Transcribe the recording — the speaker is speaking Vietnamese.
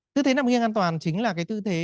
tư thế nằm nghiêng an toàn chính là cái tư thế